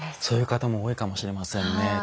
そういう方も多いかもしれませんね。